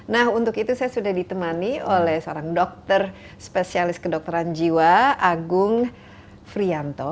nah untuk itu saya sudah ditemani oleh seorang dokter spesialis kedokteran jiwa agung frianto